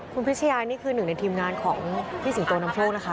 คุณพิชยานี่คือหนึ่งในทีมงานของพี่สิงโตนำโชคนะคะ